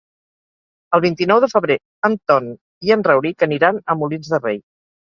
El vint-i-nou de febrer en Ton i en Rauric aniran a Molins de Rei.